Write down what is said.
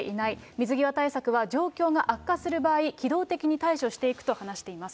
水際対策は状況が悪化する場合、機動的に対処していくと話しています。